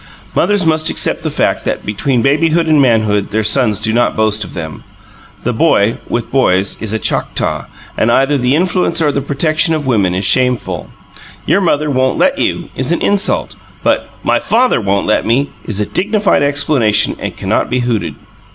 Mothers must accept the fact that between babyhood and manhood their sons do not boast of them. The boy, with boys, is a Choctaw; and either the influence or the protection of women is shameful. "Your mother won't let you," is an insult. But, "My father won't let me," is a dignified explanation and cannot be hooted.